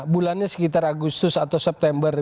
bulannya sekitar agustus atau september